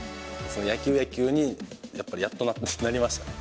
野球、野球に、やっぱりやっとなりましたね。